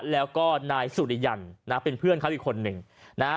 แล้วก็นายสุริยันนะเป็นเพื่อนเขาอีกคนหนึ่งนะฮะ